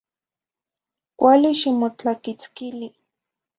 Cuali ximotlaquitzquili